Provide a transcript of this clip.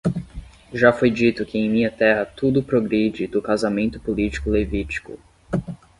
Já foi dito que em minha terra tudo progride do casamento político levítico.